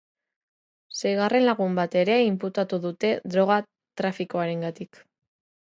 Seigarren lagun bat ere inputatu dute droga trafikoarengatik.